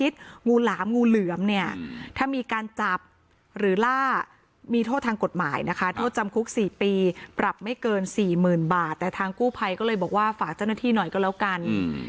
สี่หมื่นบาทแต่ทางกู้ภัยก็เลยบอกว่าฝากเจ้าหน้าที่หน่อยก็แล้วกันอืม